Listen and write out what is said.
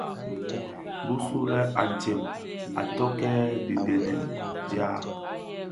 Bisulè antsem a tokkè dhidenèn dja.